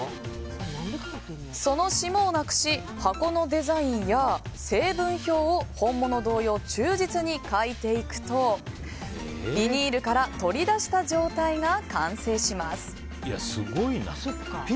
その霜をなくし箱のデザインや成分表を本物同様、忠実に描いていくとビニールから取り出した状態が完成します。